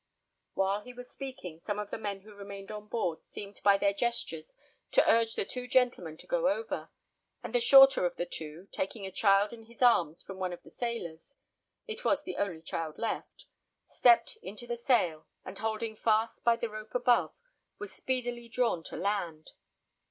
While he was speaking, some of the men who remained on board seemed by their gestures to urge the two gentlemen to go over; and the shorter of the two, taking a child in his arms from one of the sailors it was the only child left stepped into the sail, and holding fast by the rope above, was speedily drawn to land.